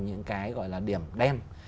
những cái gọi là điểm đen